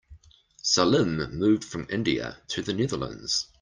Salim moved from India to the Netherlands.